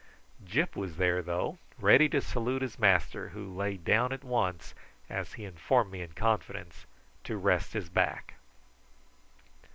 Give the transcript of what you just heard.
Gyp was there though, ready to salute his master, who lay down at once, as he informed me in confidence, to rest his back.